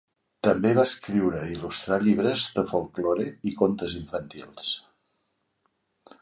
També va escriure i il·lustrar llibres de folklore i contes infantils.